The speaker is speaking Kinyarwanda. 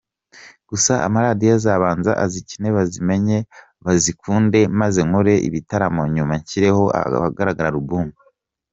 Gusa amaradiyo azabanza azikine bazimenye bazikunde, maze nkore ibitaramo nyuma nshyire ahagaragara Album.